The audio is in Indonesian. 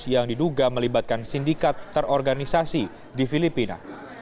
yang diduga melibatkan sindikat terorganisasi di filipina